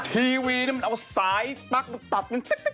ทีวีนี่มันเอาซ้ายปั๊กตัด